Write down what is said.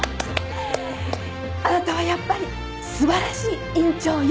あなたはやっぱり素晴らしい院長よ！